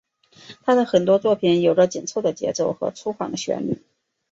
他的很多作品有着紧凑的节奏和粗犷的旋律。